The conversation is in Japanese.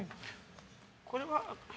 これは。